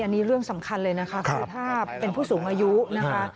อันนี้เรื่องสำคัญเลยนะคะคือถ้าเป็นผู้สูงอายุนะคะ